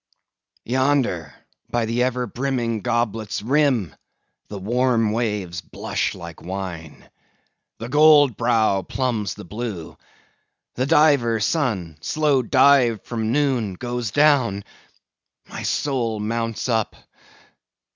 Yonder, by ever brimming goblet's rim, the warm waves blush like wine. The gold brow plumbs the blue. The diver sun—slow dived from noon—goes down; my soul mounts up!